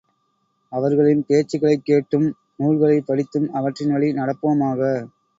அவர்களின் பேச்சுக்களைக் கேட்டும் நூல்களைப் படித்தும் அவற்றின் வழி நடப்போமாக!